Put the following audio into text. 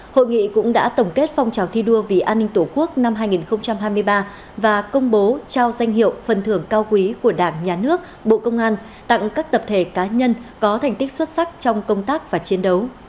hội nghị cũng đã tổng kết phong trào thi đua vì an ninh tổ quốc năm hai nghìn hai mươi ba và công bố trao danh hiệu phần thưởng cao quý của đảng nhà nước bộ công an tặng các tập thể cá nhân có thành tích xuất sắc trong công tác và chiến đấu